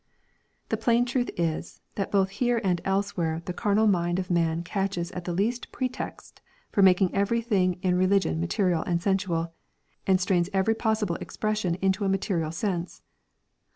The plain truth is, that both here and elsewhere the carnal mind of man catches at the least pretext for making everything in re Hgion material and sensual, and strains every possible expression into a material sense.